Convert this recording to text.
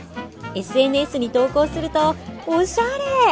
ＳＮＳに投稿すると「おしゃれ！」と大評判。